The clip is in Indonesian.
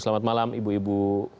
selamat malam ibu ibu